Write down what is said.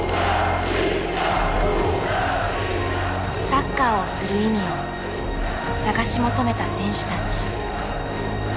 サッカーをする意味を探し求めた選手たち。